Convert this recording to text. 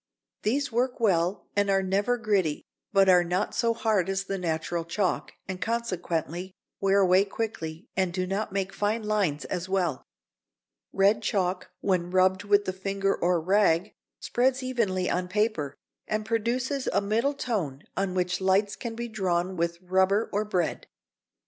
These work well and are never gritty, but are not so hard as the natural chalk, and consequently wear away quickly and do not make fine lines as well. Red chalk when rubbed with the finger or a rag spreads evenly on paper, and produces a middle tone on which lights can be drawn with rubber or bread.